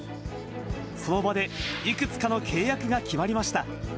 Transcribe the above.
その場でいくつかの契約が決まりました。